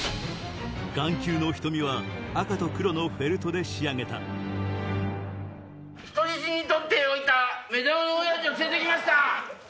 眼球の瞳は赤と黒のフェルトで仕上げた人質に取っておいた目玉おやじを連れて来ました。